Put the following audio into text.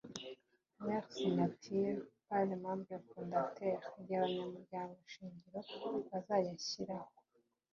leur signature par les membres fondateurs igihe abanyamuryango shingiro bazayashyiraho